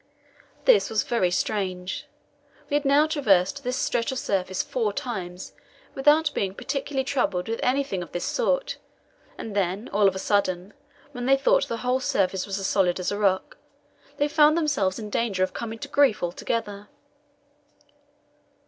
This was very strange; we had now traversed this stretch of surface four times without being particularly troubled with anything of this sort, and then, all of a sudden, when they thought the whole surface was as solid as a rock, they found themselves in danger of coming to grief altogether.